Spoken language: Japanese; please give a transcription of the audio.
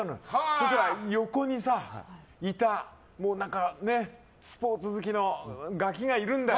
そしたら、横にいたスポーツ好きのガキがいるんだ。